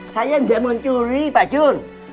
saya enggak mau mencuri pak jun